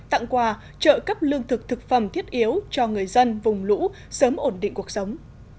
tặng quà trợ cấp lương thực thực phẩm thiết yếu cho người dân vùng lũ sớm ổn định cuộc sống